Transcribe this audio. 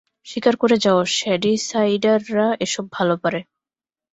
স্বীকার করে যাও শ্যাডিসাইডাররা এসব ভালো পারে।